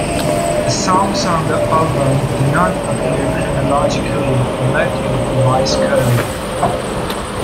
The songs on the album do not appear chronologically relative to Vai's career.